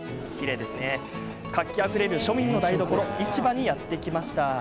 活気あふれる庶民の台所市場にやって来ました。